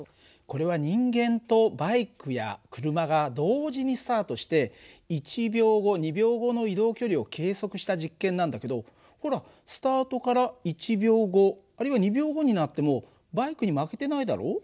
これは人間とバイクや車が同時にスタートして１秒後２秒後の移動距離を計測した実験なんだけどほらスタートから１秒後あるいは２秒後になってもバイクに負けてないだろ？